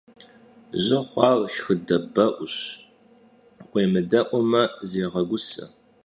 Jı xhuar şşxıde be'uş, vuêmıde'ume, zêğeguse.